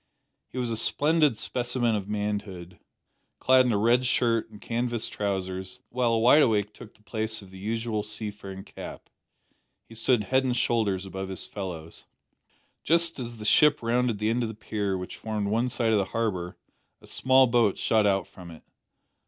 He was a splendid specimen of manhood, clad in a red shirt and canvas trousers, while a wide awake took the place of the usual seafaring cap. He stood head and shoulders above his fellows. Just as the ship rounded the end of the pier, which formed one side of the harbour, a small boat shot out from it.